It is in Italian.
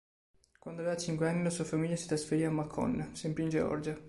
Quando aveva cinque anni la sua famiglia si trasferì a Macon, sempre in Georgia.